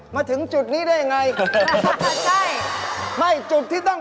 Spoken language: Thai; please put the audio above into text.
มาถึงจุดนี้ได้อย่างไรจุดที่ต้อง